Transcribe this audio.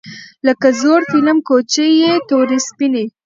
لکه زوړ فیلم کوڅې یې تورې سپینې